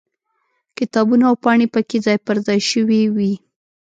کتابونه او پاڼې پکې ځای پر ځای شوي وي.